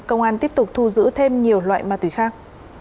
công an tiếp tục thu giữ thêm nhiều loại ma túy khác